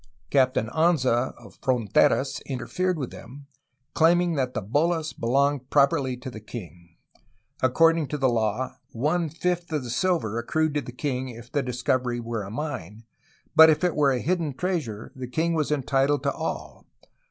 Captain Anza of Fronteras interfered with them, claiming that the holas belonged prop erly to the king. According to law, one fifth of the silver accrued to the king if the discovery were a mine, but if it were a hidden treasure the king was entitled to all.